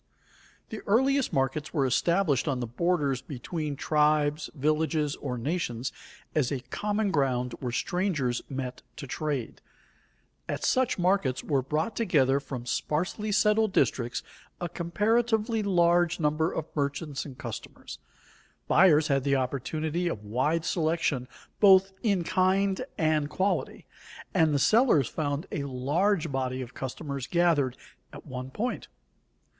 _ The earliest markets were established on the borders between tribes, villages or nations as a common ground where strangers met to trade. At such markets were brought together from sparsely settled districts a comparatively large number of merchants and customers. Buyers had the opportunity of wide selection both in kind and quality, and the sellers found a large body of customers gathered at one point.